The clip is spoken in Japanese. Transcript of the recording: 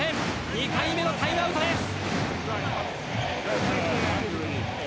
２回目のタイムアウトです。